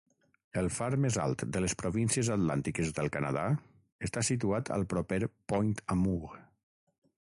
El far més alt de les Províncies Atlàntiques del Canadà està situat al proper Point Amour.